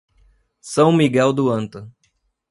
São Miguel do Anta